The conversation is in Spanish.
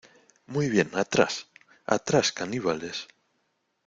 ¡ Muy bien, atrás! ¡ atrás , caníbales !